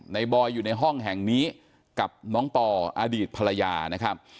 บอยอยู่ในห้องแห่งนี้กับน้องปออดีตภรรยานะครับ